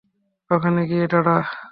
ওখানে গিয়ে দাঁড়া।